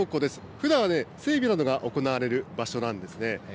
ふだんはね、整備などが行われる場所なんですね。